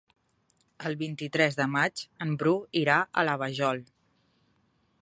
El vint-i-tres de maig en Bru irà a la Vajol.